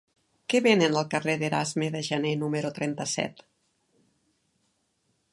Què venen al carrer d'Erasme de Janer número trenta-set?